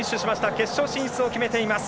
決勝進出を決めています。